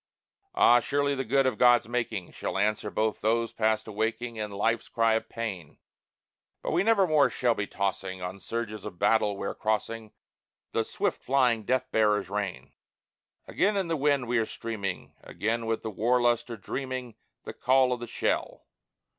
Ah, surely the good of God's making Shall answer both those past awaking And life's cry of pain; But we nevermore shall be tossing On surges of battle where crossing The swift flying death bearers rain. Again in the wind we are streaming, Again with the war lust are dreaming The call of the shell.